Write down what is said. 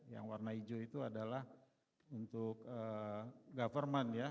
yang warna hijau itu adalah untuk government ya